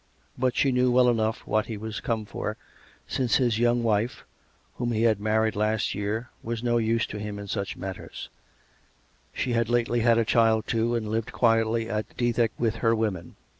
But she knew well enough what he was come for, since his young wife, whom he had married lasrt year, was no use to him in such matters: she had lately had a child, too, and lived quietly at Dethick with her women.